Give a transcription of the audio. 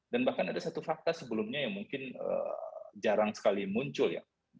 dan bahkan ada satu fakta sebelumnya yang mungkin jarang sekali muncul ya